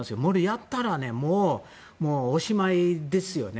やったらおしまいですよね。